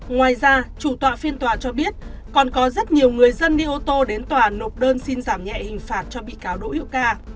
ngoài ra chủ tọa phiên tòa cho biết còn có rất nhiều người dân đi ô tô đến tòa nộp đơn xin giảm nhẹ hình phạt cho bị cáo đỗ hữu ca